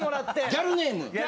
ギャルネーム？